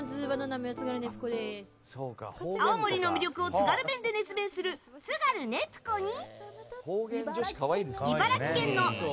青森の魅力を津軽弁で熱弁する津軽ねぷこに茨城県の茨